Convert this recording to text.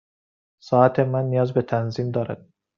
ساعت من نیاز به تنظیم دارد.